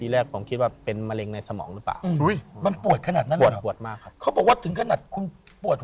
ลงก็ลงเหมือนด้วย